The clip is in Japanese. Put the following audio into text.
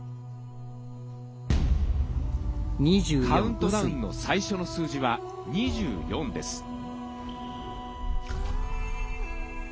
カウントダウンの最初の数字は２４です。